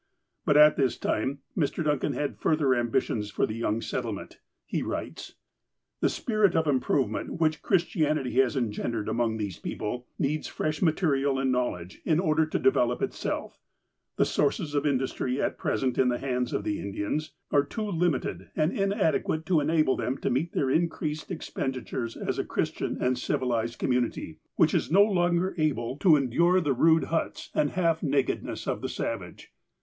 But at this time Mr. Duncan had further ambitions for the young settlement. He writes :" The spirit of improvement, Avhich Christianity has engen dered among these people, needs fresh material and knowledge, in order to develop itself. The sources of industry, at present in the hands of the Indians, are too limited and inadequate to enable them to meet their increased expenditures as a Christian and civilized community, which is no longer able to endure the 222 THE APOSTLE OF ALASKA rude huts, and half nakedness of the savage.